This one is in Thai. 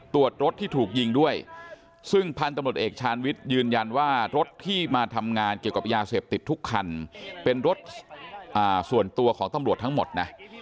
ตรวจรถที่ถูกยิงด้วยซึ่งพันธุ์ตำรวจเอกชาญวิทย์ยืนยันว่ารถที่มาทำงานเกี่ยวกับยาเสพติดทุกคันเป็นรถส่วนตัวของตำรวจทั้งหมดนะ